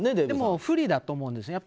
でも不利だと思うんです。